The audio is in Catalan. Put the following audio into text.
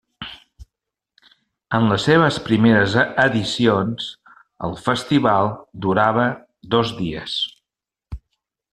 En les seves primeres edicions, el festival durava dos dies.